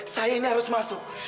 saya ini harus masuk